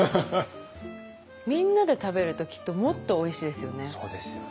みんなで食べるときっともっとおいしいですよね。